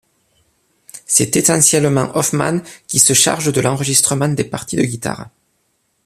C'est essentiellement Hoffmann qui se charge de l'enregistrement des parties de guitare.